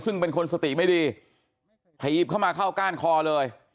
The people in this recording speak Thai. ซึ่งเป็นคนสติไม่ดีถีบเข้ามาเข้าก้านคอเลย